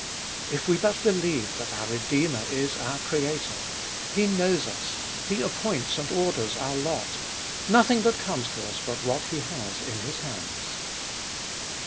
If we but believed that our Redeemer is our Creator ! He knows us ; He appoints and orders our lot ; nothing that comes to us but what He has in His hands.